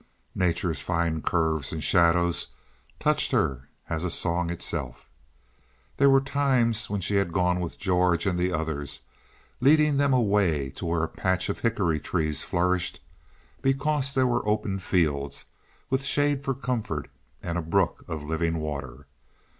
Nature's fine curves and shadows touched her as a song itself. There were times when she had gone with George and the others, leading them away to where a patch of hickory trees flourished, because there were open fields, with shade for comfort and a brook of living water.